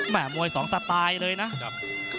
นักมวยจอมคำหวังเว่เลยนะครับ